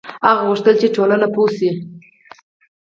هغه غوښتل چې ټولنه پوه شي.